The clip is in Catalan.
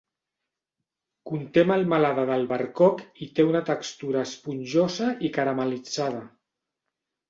Conté melmelada d'albercoc i té una textura esponjosa i caramel·litzada.